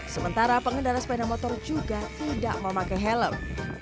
sementara pengendara sepeda motor juga tidak memakai helm